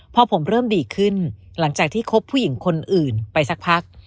พอผมเริ่มดีขึ้นหลังจากที่คบผู้หญิงคนอื่นไปสักพัก